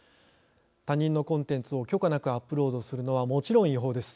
他人のコンテンツを許可なくアップロードするのはもちろん違法です。